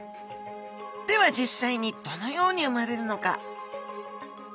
では実際にどのようにうまれるのか？